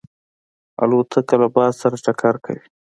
الوتکه له باد سره ټکر کوي.